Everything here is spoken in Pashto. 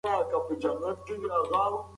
هغه ماشوم چې ډېر تلویزیون ګوري، سترګې یې خرابیږي.